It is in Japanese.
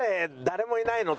誰もいないの？」